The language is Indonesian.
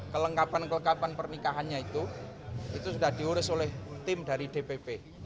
kelengkapan kelengkapan pernikahannya itu itu sudah diurus oleh tim dari dpp